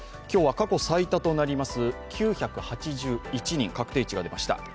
今日は過去最多となります９８１人、確定値が出ました。